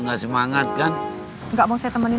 gak semangat kan nggak mau saya temenin